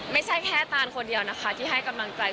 ไม่ใช่แค่ตานคนเดียวนะคะที่ให้กำลังใจ